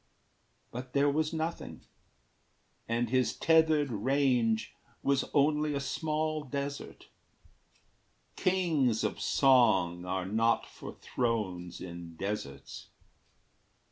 But there was nothing, and his tethered range Was only a small desert. Kings of song Are not for thrones in deserts.